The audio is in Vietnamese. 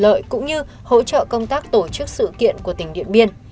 lợi cũng như hỗ trợ công tác tổ chức sự kiện của tỉnh điện biên